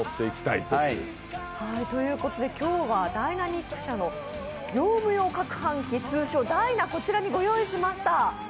今日はダイナミック社の業務用かくはん機、通称ダイナ、こちらにご用意しました。